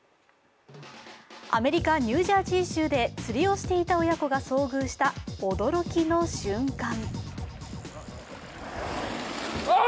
アメリカ・ニュージャージー州で釣りをしていた親子が遭遇した驚きの瞬間。